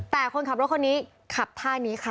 แต่คนขับรถคนนี้ขับท่านี้ค่ะ